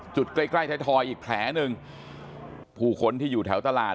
ใกล้ใกล้ไทยทอยอีกแผลหนึ่งผู้คนที่อยู่แถวตลาด